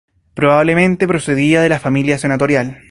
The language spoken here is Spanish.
Probablemente procedía de familia senatorial.